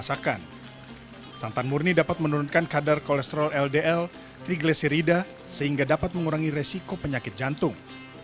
santan murni dapat menurunkan kadar kolesterol ldl triglesirida sehingga dapat mengurangi resiko penyakit jantung